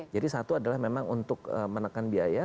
jadi satu adalah memang untuk menekan biaya